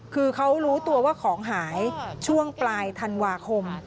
คือเขารู้ตัวว่าของหายช่วงปลายธันวาคม